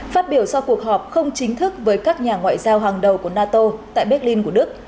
phát biểu sau cuộc họp không chính thức với các nhà ngoại giao hàng đầu của nato tại berlin của đức